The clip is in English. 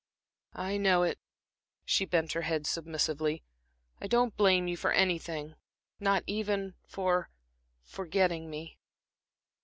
"I know it." She bent her head submissively. "I don't blame you for anything; not even for forgetting me."